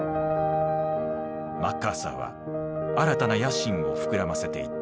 マッカーサーは新たな野心を膨らませていった。